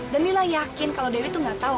dan lila yakin kalau dewi tuh gak tau